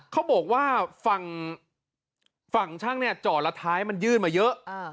เขาบอกว่าฝั่งช่างจอดละท้ายมันยื่นมาเยอะ